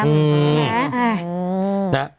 อืม